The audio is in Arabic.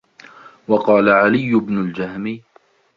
وَقَالَ عَلِيُّ بْنُ الْجَهْمِ